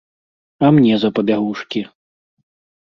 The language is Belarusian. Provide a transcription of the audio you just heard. А мне за пабягушкі?